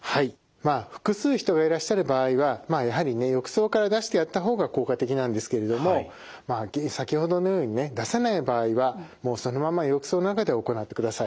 まあ複数人がいらっしゃる場合はやはりね浴槽から出してやった方が効果的なんですけれども先ほどのようにね出せない場合はもうそのまま浴槽の中で行ってください。